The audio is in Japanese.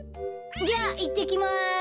じゃあいってきます。